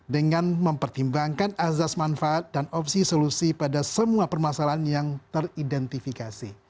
dengan mempertimbangkan azas manfaat dan opsi solusi pada semua permasalahan yang teridentifikasi